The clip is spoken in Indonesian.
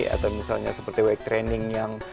atau misalnya seperti wake training yang